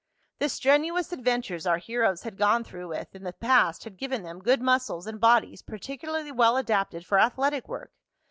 The strenuous adventures our heroes had gone through with in the past had given them good muscles and bodies particularly well adapted for athletic work.